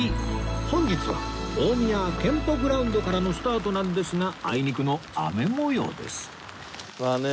本日は大宮けんぽグラウンドからのスタートなんですがあいにくの雨模様です